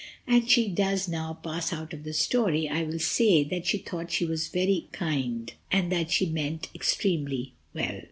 And as she does now pass out of the story I will say that she thought she was very kind, and that she meant extremely well.